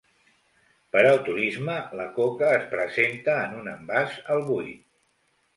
Per al turisme, la coca es presenta en un envàs al buit.